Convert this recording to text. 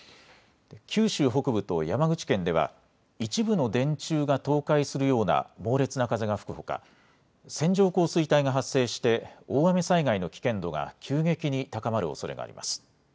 九州北部と山口県では一部の電柱が倒壊するような猛烈な風が吹くほか、線状降水帯が発生して大雨災害の危険度が急激に高まるおそれがあります。